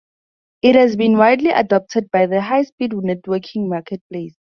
It has been widely adopted by the high speed networking marketplace.